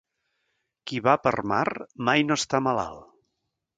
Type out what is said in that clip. Qui va per mar mai no està malalt.